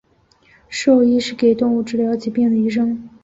兽医是给动物治疗疾病的医生。